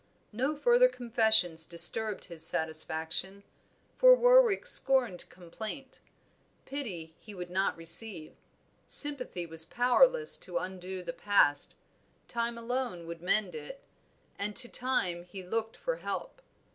No further confessions disturbed his satisfaction, for Warwick scorned complaint; pity he would not receive, sympathy was powerless to undo the past, time alone would mend it, and to time he looked for help.